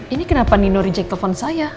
ini kenapa nino reject telepon saya